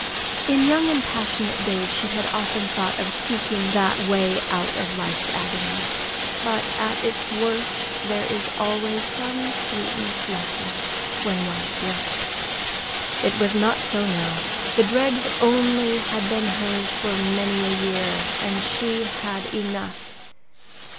In young and passionate days she had often thought of seeking that way out of life's agonies, but at its worst there is always some sweetness left in the cup when one is young! It was not so now. The dregs only had been hers for many a year, and she had enough.